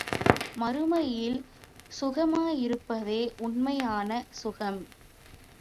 மறுமையில் சுகமாயிருப்பதே உண்மையான சுகம்.